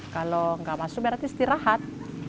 kalau nggak masuk berarti istirahat